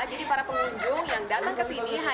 jadi para pengunjung yang datang kesini